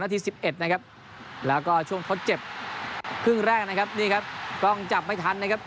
ที๑๑นะครับแล้วก็ช่วงทดเจ็บครึ่งแรกนะครับนี่ครับกล้องจับไม่ทันนะครับ